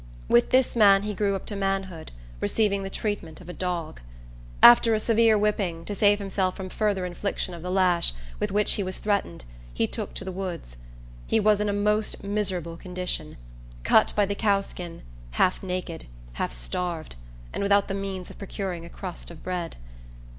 With this man he grew up to manhood, receiving the treatment of a dog. After a severe whipping, to save himself from further infliction of the lash, with which he was threatened, he took to the woods. He was in a most miserable condition—cut by the cowskin, half naked, half starved, and without the means of procuring a crust of bread.